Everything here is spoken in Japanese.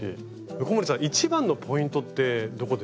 横森さん一番のポイントってどこですか？